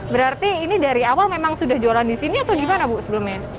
berarti ini dari awal memang sudah jualan di sini atau gimana bu sebelumnya